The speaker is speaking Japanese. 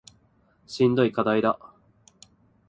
しんどい課題だ